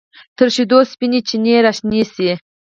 تر شیدو سپینې چینې راشنې شي